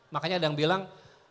makanya ada yang bilang